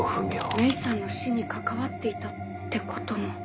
メイさんの死に関わっていたってことも。